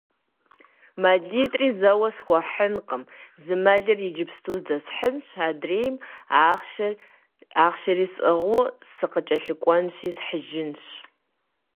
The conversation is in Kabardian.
МэлитӀри зэуэ схуэхьынкъым, зы мэлыр иджыпсту здэсхьынщ, адрейм, ахъшэри сӀыгъыу, сыкъыкӀэлъыкӀуэнщи схьыжынщ.